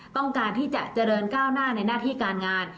ต้องการที่จะเจริญก้าวหน้าในหน้าที่การงาน